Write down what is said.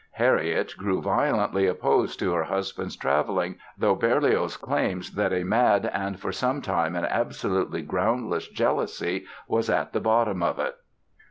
Harriet grew violently opposed to her husband's traveling, though Berlioz claims that "a mad and for some time an absolutely groundless jealousy was at the bottom of it".